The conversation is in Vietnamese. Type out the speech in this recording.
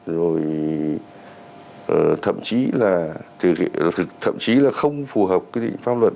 rồi thậm chí là không phù hợp với định pháp luật